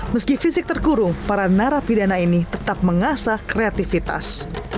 meski fisik terkurung para narapidana ini tetap mengasah kreativitas